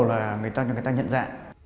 là người ta cho người ta nhận ra